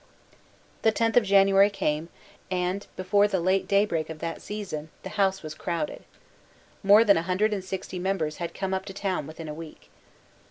The tenth of January came; and, before the late daybreak of that season, the House was crowded. More than a hundred and sixty members had come up to town within a week.